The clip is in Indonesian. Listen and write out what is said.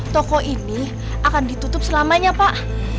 toko ini akan ditutup selamanya pak